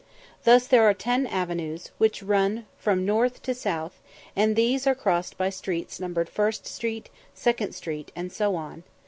Thus there are ten "Avenues," which run from north to south, and these are crossed by streets numbered First Street, Second Street, and so on.